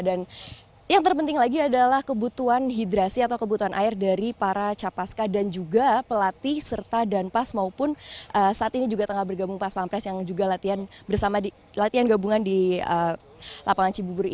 dan yang terpenting lagi adalah kebutuhan hidrasi atau kebutuhan air dari para capaska dan juga pelatih serta dan pas maupun saat ini juga tengah bergabung pas pampres yang juga latihan bersama di latihan gabungan di lapangan cibubur ini